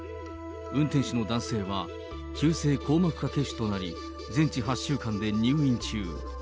運転手の男性は、急性硬膜下血腫となり、全治８週間で入院中。